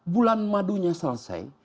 bulan madunya selesai